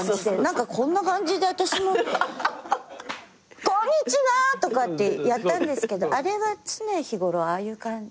何かこんな感じであたしも「こんにちは」とかってやったんですけどあれは常日頃ああいう感じ？